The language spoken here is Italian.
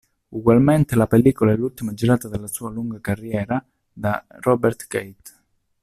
Ugualmente, la pellicola è l'ultima girata nella sua lunga carriera da Robert Keith.